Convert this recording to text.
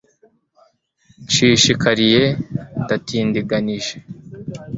nshishikariye ndatindiganyije